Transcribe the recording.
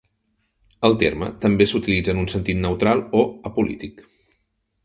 El terme també s'utilitza en un sentit neutral o apolític.